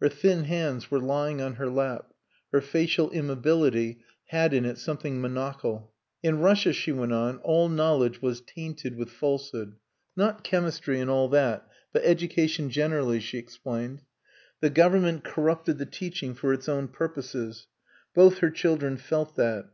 Her thin hands were lying on her lap, her facial immobility had in it something monachal. "In Russia," she went on, "all knowledge was tainted with falsehood. Not chemistry and all that, but education generally," she explained. The Government corrupted the teaching for its own purposes. Both her children felt that.